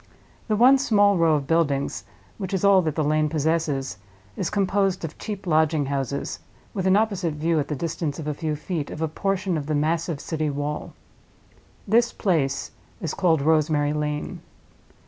The one small row of buildings, which is all that the lane possesses, is composed of cheap lodging houses, with an opposite view, at the distance of a few feet, of a portion of the massive city wall. This place is called Rosemary Lane.